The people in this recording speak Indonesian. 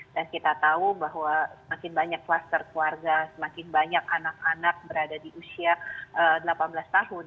dan kita tahu bahwa semakin banyak kluster keluarga semakin banyak anak anak berada di usia delapan belas tahun